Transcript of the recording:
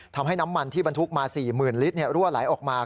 ทำให้น้ำมันที่บรรทุกมา๔๐๐๐ลิตรั่วไหลออกมา